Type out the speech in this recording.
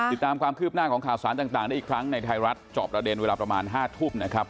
ติดตามความคืบหน้าของข่าวสารต่างได้อีกครั้งในไทยรัฐจอบประเด็นเวลาประมาณ๕ทุ่มนะครับ